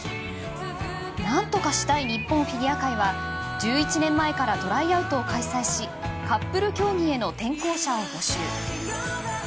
何とかしたい日本フィギュア界は１１年前からトライアウトを開催しカップル競技への転向者を募集。